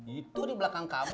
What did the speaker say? itu di belakang kamar